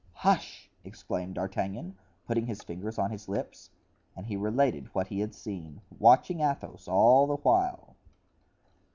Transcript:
"Hush!" exclaimed D'Artagnan, putting his finger on his lips; and he related what he had seen, watching Athos all the while.